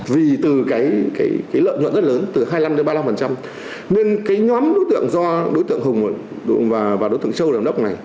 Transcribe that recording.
vì từ cái lợi nhuận rất lớn từ hai mươi năm ba mươi năm nên cái nhóm đối tượng do đối tượng hùng và đối tượng châu làm đốc này